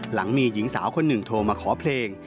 หลังมีหญิงสาวคนหนึ่งโทรมาขอเพลง